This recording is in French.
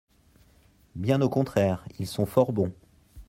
Bien au contraire, ils sont fort bons.